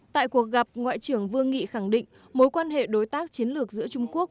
tại cuộc gặp ngoại trưởng vương nghị khẳng định mối quan hệ đối tác chiến lược giữa trung quốc